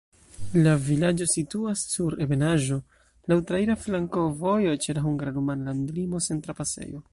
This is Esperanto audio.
La vilaĝo situas sur ebenaĵo, laŭ traira flankovojo, ĉe la hungara-rumana landlimo sen trapasejo.